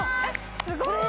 すごい！